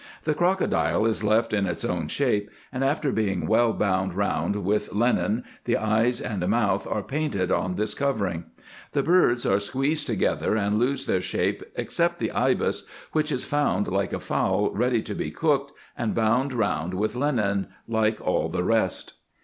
The crocodile is left in its own shape, and after being well bound round with linen, the eyes and mouth are painted on this IN EGYPT, NUBIA, &c 169 covering. The birds are squeezed together, and lose their shape except the ibis, winch is found like a fowl ready to be cooked, and bound round with linen, like all the rest.